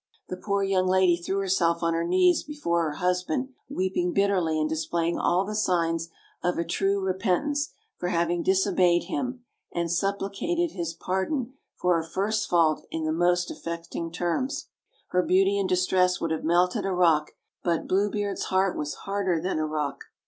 The poor young lady threw herself on her knees before her husband, weeping bitterly and displaying all the signs of a true repentance for having disobeyed him, and sup plicated his pardon for her first fault in the most affect ing terms. Her beauty and distress would have melted a rock; but Blue Beard's heart was harder than a rock.